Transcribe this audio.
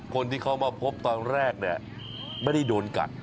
คนที่เขามาพบตอนแรกเนี่ยไม่ได้โดนกัด